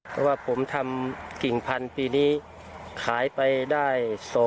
เพราะว่าผมทำกิ่งพันธุ์ปีนี้ขายไปได้